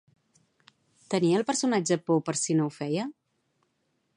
Tenia el personatge por per si no ho feia?